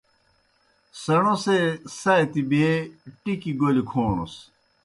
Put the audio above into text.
سیݨو سے ساتیْ بییے ٹِکیْ گولیْ کھونَس۔